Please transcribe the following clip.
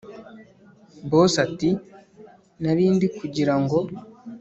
boss ati”narindikugira ngo